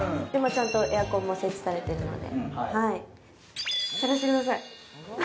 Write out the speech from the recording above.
ちゃんとエアコンも設置されてるので。